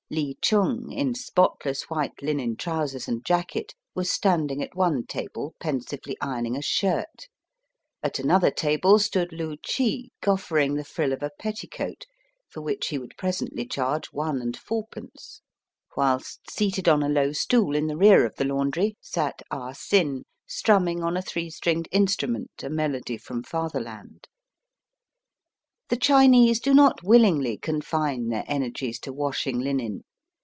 Ly Chung, in spot less white linen trousers and jacket, was standing at one table pensively ironing a shirt ; at another table stood Loo Chee goffering the frill of a petticoat, for which he would presently charge one and fourpence; whilst seated on a low stool in the rear of the laundry sat Ah Sin strumming on a three stringed instrument a melody from fatherland. The Chinese do not willingly confine their energies to washing linen.